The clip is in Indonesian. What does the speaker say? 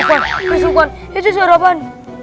eh lukman itu suara apaan